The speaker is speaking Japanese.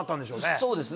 そうですね。